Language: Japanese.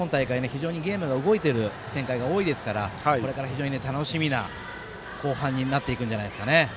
非常にゲームが動いてる展開が多いですからこれから楽しみな後半になっていくんじゃないですかね。